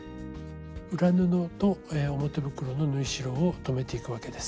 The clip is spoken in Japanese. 裏布と表袋の縫い代を留めていくわけです。